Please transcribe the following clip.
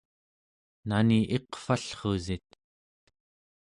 nani iqvallrusit?